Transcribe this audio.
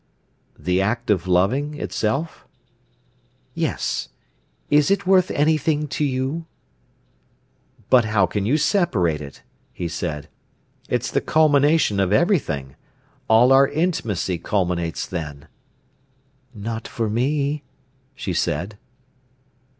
"The act of loving, itself?" "Yes; is it worth anything to you?" "But how can you separate it?" he said. "It's the culmination of everything. All our intimacy culminates then." "Not for me," she said.